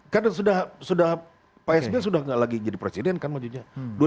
kan sudah sudah pak sbi sudah gak lagi jadi presiden kan majunya